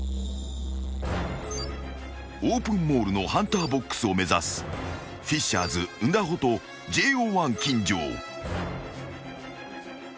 ［オープンモールのハンターボックスを目指すフィッシャーズンダホとＪＯ１金城］